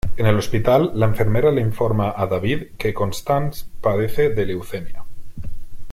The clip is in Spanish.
En el hospital, la enfermera le informa a David que Constance padece de Leucemia.